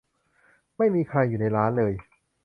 ไม่มีใครอยู่ในร้านเลย